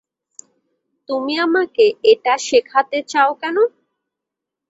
তুমি আমাকে এটা শেখাতে চাও কেন?